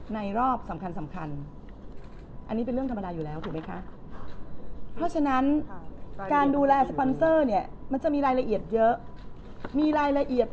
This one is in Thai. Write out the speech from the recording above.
ในรอบสำคัญ